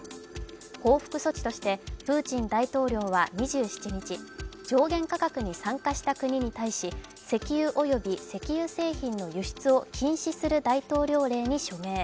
報復措置としてプーチン大統領は２７日、上限価格に参加した国に対し、石油及び石油製品の輸出を禁止する大統領令に署名。